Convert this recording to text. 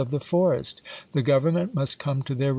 of the forest ; the Grovernment must come to their vii..